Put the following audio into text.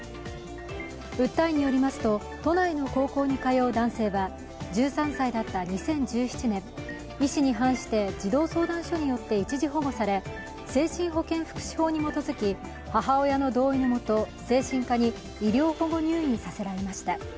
訴えによりますと都内の高校に通う男性は１３歳だった２０１７年、意思に反して児童相談所によって一時保護され精神保健福祉法に基づき、母親の同意のもと精神科に医療保護入院させられました。